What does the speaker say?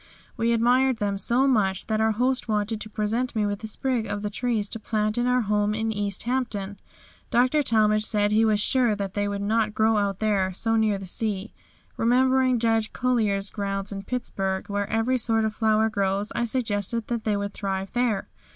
We admired them so much that our host wanted to present me with sprigs of the trees to plant in our home at East Hampton. Dr. Talmage said he was sure that they would not grow out there so near the sea. Remembering Judge Collier's grounds in Pittsburg, where every sort of flower grows, I suggested that they would thrive there.